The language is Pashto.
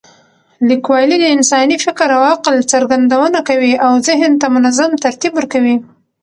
لیکوالی د انساني فکر او عقل څرګندونه کوي او ذهن ته منظم ترتیب ورکوي.